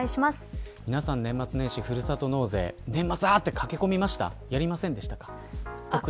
皆さん年末年始、ふるさと納税駆け込みました。